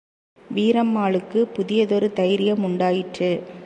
வீரம்மாளுக்குப் புதியதொரு தைரியம் உண்டாயிற்று.